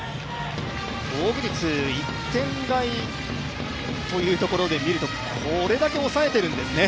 防御率１点台というところで見るとこれだけ抑えているんですね。